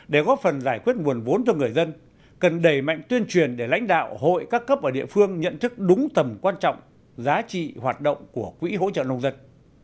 để góp phần giải quyết nguồn vốn cho người dân cần đẩy mạnh tuyên truyền để lãnh đạo hội các cấp ở địa phương nhận thức đúng tầm quan trọng giá trị hoạt động của quỹ hỗ trợ nông dân